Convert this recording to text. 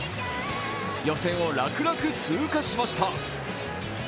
予選を楽々通過しました。